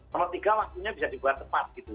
kalau tiga waktunya bisa dibuat tepat gitu